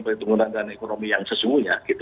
berhitung hitungan ekonomi yang sesungguhnya